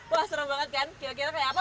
wah seru banget kan kira kira kayak apa